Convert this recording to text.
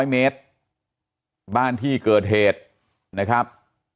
๐เมตรบ้านที่เกิดเหตุนะครับ